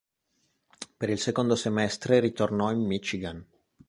Per il secondo semestre ritornò in Michigan.